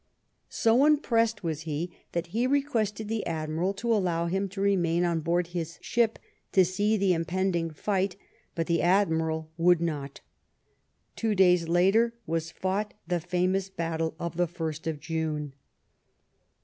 " So impressed was EARLY TRAINING. 7 he, that he requested the Admiral to allow him to remain on board his ship, to see the impending fight; but the Admiral would not. Two days later was fought the famous battle of the 1st of June.